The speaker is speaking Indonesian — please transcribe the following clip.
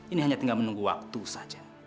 ini hanya tinggal menunggu waktu saja